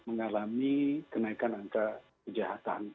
dan mengalami kenaikan angka kejahatan